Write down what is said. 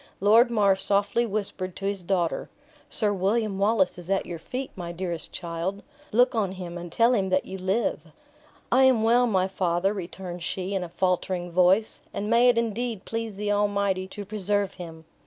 Lord Mar softly whispered his daughter "Sir William Wallace is at your feet, my dearest child; look on him, and tell him that you live." "I am well, my father," returned she, in a faltering voice; "and may it indeed please the Almighty to preserve him!"